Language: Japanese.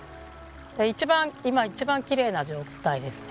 一番今一番きれいな状態ですね。